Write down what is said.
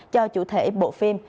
cho chủ thể bộ phim